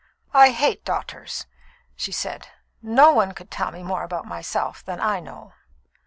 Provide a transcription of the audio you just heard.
"I hate doctors," she said. "No one could tell me more about myself than I know."